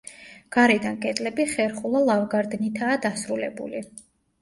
გარედან კედლები ხერხულა ლავგარდნითაა დასრულებული.